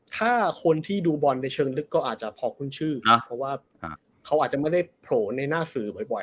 ถ้าคนที่ดูบอลในเชิงลึกก็อาจจะพอคุ้นชื่อเพราะว่าเขาอาจจะไม่ได้โผล่ในหน้าสื่อบ่อย